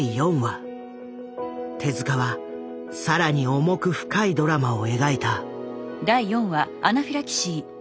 手は更に重く深いドラマを描いた。